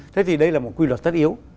thế thì đây là một quy luật tất yếu